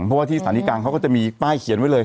เพราะว่าที่สถานีกลางเขาก็จะมีป้ายเขียนไว้เลย